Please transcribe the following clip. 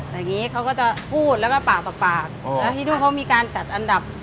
อย่างนี้เขาก็จะพูดแล้วก็ปากต่อปากแล้วที่นู่นเขามีการจัดอันดับ